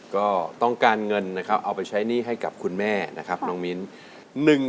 ก็ต้องการเงินนะครับเอาไปใช้หนี้ให้กับคุณแม่นะครับน้องมิ้น